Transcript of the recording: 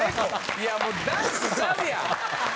いやもうダンスちゃうやん。